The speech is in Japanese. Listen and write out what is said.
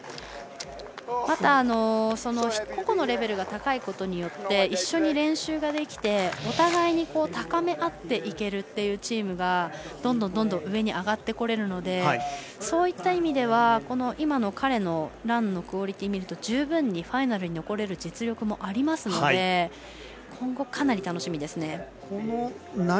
また、個々のレベルが高いことによって一緒に練習ができてお互いに高めあっていけるというチームが、どんどん上に上がってこれるのでそういった意味では彼のランのクオリティー見ると十分にファイナルに残れる実力もありますので今後、かなり楽しみです。